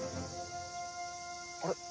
あれ？